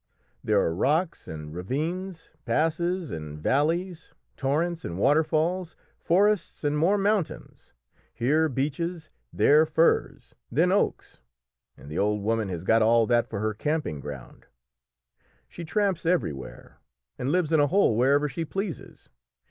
There are rocks and ravines, passes and valleys, torrents and waterfalls, forests, and more mountains; here beeches, there firs, then oaks, and the old woman has got all that for her camping ground. She tramps everywhere, and lives in a hole wherever she pleases.